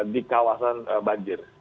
di kawasan banjir